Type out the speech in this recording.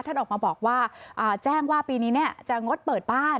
ท่านออกมาบอกว่าแจ้งว่าปีนี้จะงดเปิดบ้าน